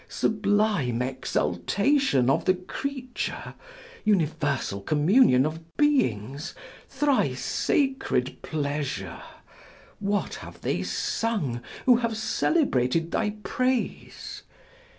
Sublime exaltation of the creature, universal communion of beings, thrice sacred pleasure, what have they sung who have celebrated thy praise?